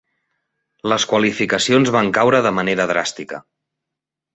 Les qualificacions van caure de manera dràstica.